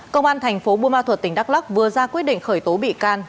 công an thành phố bùa ma thuật tỉnh đắk lóc vừa ra quyết định khởi tố bị can